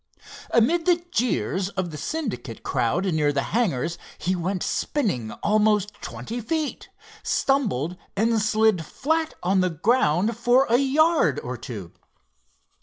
Amid the jeers of the Syndicate crowd near the hangars he went spinning almost twenty feet, stumbled and slid flat on the ground for a yard or two.